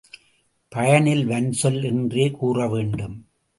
பயனில் வன்சொல் என்றே கூற வேண்டும்.